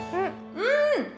うん。